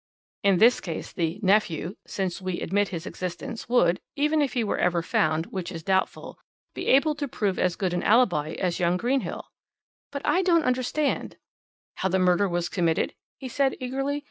"In this case the 'nephew,' since we admit his existence, would even if he were ever found, which is doubtful be able to prove as good an alibi as young Greenhill." "But I don't understand " "How the murder was committed?" he said eagerly.